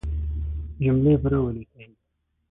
جملې پوره وليکئ!